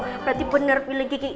berarti bener pilih kiki